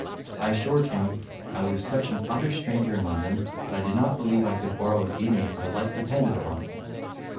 I assured him, I was such an utter stranger in London, that I did not believe I could borrow a guinea if my life depended upon it.